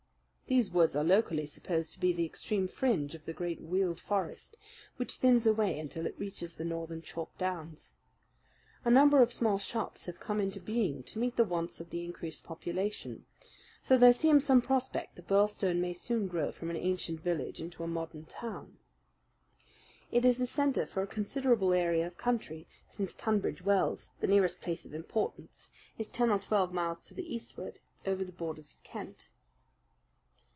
These woods are locally supposed to be the extreme fringe of the great Weald forest, which thins away until it reaches the northern chalk downs. A number of small shops have come into being to meet the wants of the increased population; so there seems some prospect that Birlstone may soon grow from an ancient village into a modern town. It is the centre for a considerable area of country, since Tunbridge Wells, the nearest place of importance, is ten or twelve miles to the eastward, over the borders of Kent.